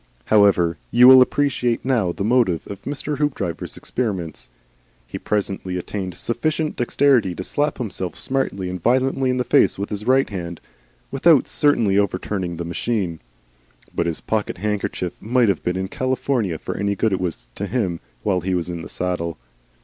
However, you will appreciate now the motive of Mr. Hoopdriver's experiments. He presently attained sufficient dexterity to slap himself smartly and violently in the face with his right hand, without certainly overturning the machine; but his pocket handkerchief might have been in California for any good it was to him while he was in the saddle.